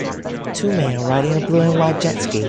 Two men are riding a blue and white jet ski.